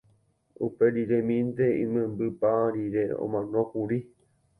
uperiremínte imembypa rire omanókuri